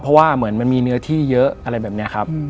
เพราะว่าเหมือนมันมีเนื้อที่เยอะอะไรแบบนี้ครับ